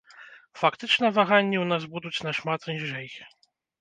Фактычна ваганні ў нас будуць нашмат ніжэй.